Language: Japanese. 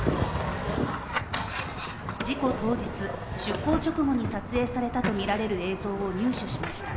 事故当日、出航直後に撮影されたとみられる映像を入手しました。